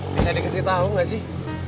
bisa dikasih tau gak sih